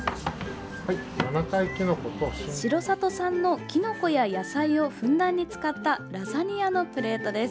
城里産のきのこや野菜をふんだんに使ったラザニアのプレートです。